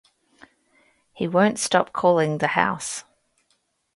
He won't stop calling the house.